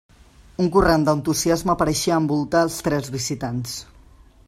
Un corrent d'entusiasme pareixia envoltar els tres visitants.